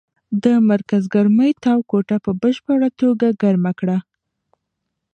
د مرکز ګرمۍ تاو کوټه په بشپړه توګه ګرمه کړه.